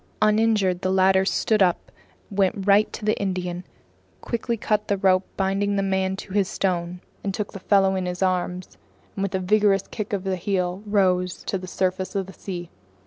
Uninjured, the latter stood up, went right to the Indian, quickly cut the rope binding the man to his stone, took the fellow in his arms, and with a vigorous kick of the heel, rose to the surface of the sea.